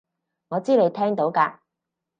我知你聽到㗎